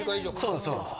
そうです。